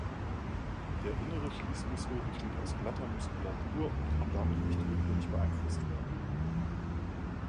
Der innere Schließmuskel besteht aus glatter Muskulatur und kann damit nicht willkürlich beeinflusst werden.